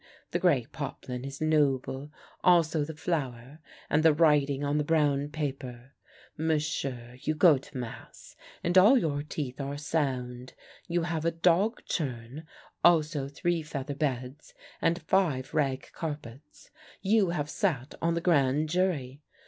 The grey poplin is noble, also the flour, and the writing on the brown paper. M'sieu', you go to mass, and all your teeth are sound ; you have a dog churn, also three feather beds, and five rag carpets ; you have sat on the grand jury.